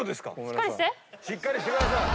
しっかりしてください。